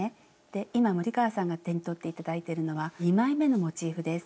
で今森川さんが手に取って頂いてるのは２枚めのモチーフです。